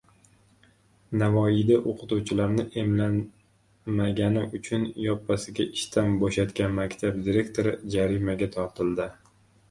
Navoiyda o‘qituvchilarni emlanmagani uchun yoppasiga ishdan bo‘shatgan maktab direktori jarimaga tortildi